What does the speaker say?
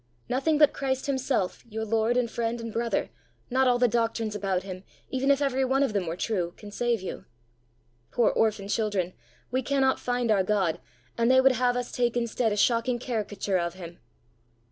Nothing but Christ himself, your lord and friend and brother, not all the doctrines about him, even if every one of them were true, can save you. Poor orphan children, we cannot find our God, and they would have us take instead a shocking caricature of him!"